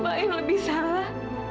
mbak yang lebih salah